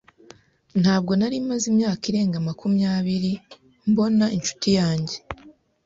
Ntabwo nari maze imyaka irenga makumyabiri mbona inshuti yanjye.